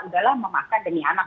udahlah memakan demi anak